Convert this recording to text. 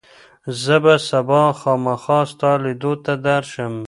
زه به سبا خامخا ستا لیدو ته درشم.